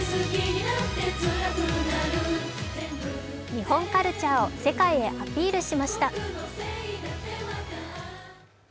日本カルチャーを世界へアピールしました。